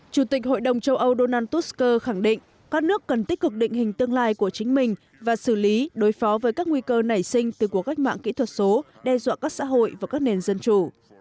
chủ tịch hội đồng châu âu donald tusk khẳng định các nước cần tích cực định hình tương lai của chính mình và xử lý đối phó với các nguy cơ nảy sinh từ cuộc cách mạng kỹ thuật số đe dọa các xã hội và các nền dân chủ